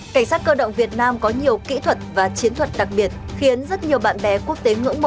cảnh sát cơ động việt nam có nhiều kỹ thuật và chiến thuật đặc biệt khiến rất nhiều bạn bè quốc